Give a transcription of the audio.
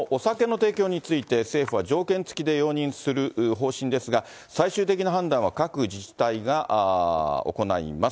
解除後のお酒の提供について、政府は条件付きで容認する方針ですが、最終的な判断は各自治体が行います。